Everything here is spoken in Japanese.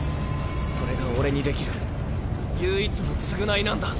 それが俺にできる唯一の償いなんだ。